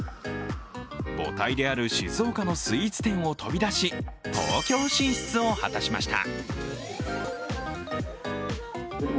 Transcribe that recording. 母体である静岡のスイーツ店を飛び出し、東京進出を果たしました